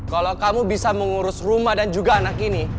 kalau kamu bisa mengurus rumah dan juga anak ini